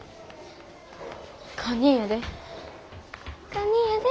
堪忍やで。